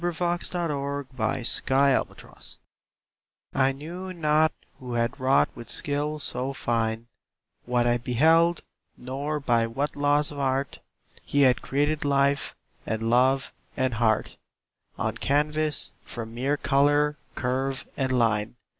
James Weldon Johnson Before a Painting I KNEW not who had wrought with skill so fine What I beheld; nor by what laws of art He had created life and love and heart On canvas, from mere color, curve and line.